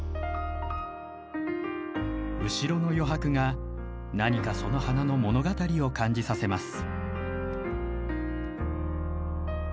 後ろの余白が何かその花の物語を感じさせます。